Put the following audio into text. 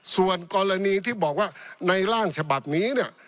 ส่วนกรณีที่บอกว่าในร่างฉบับนี้เนี่ย